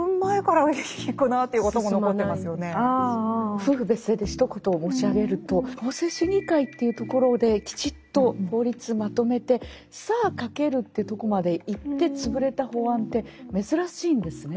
夫婦別姓でひと言申し上げると法制審議会っていうところできちっと法律まとめてさあかけるというとこまでいって潰れた法案って珍しいんですね。